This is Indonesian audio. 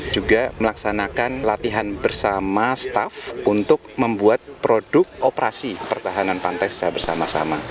juga melaksanakan latihan bersama staff untuk membuat produk operasi pertahanan pantai secara bersama sama